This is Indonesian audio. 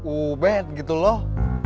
ubed gitu loh